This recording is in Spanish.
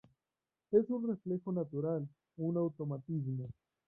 Es un reflejo natural, un automatismo.